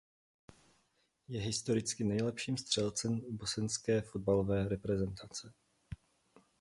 Je historicky nejlepším střelcem bosenské fotbalové reprezentace.